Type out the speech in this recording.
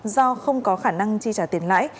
do không có khả năng chi trả tiền lãi